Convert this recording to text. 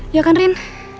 iya kan rin